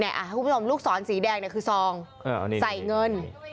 นี่อ่ะลูกศรสีแดงเนี่ยคือซองใส่เงิน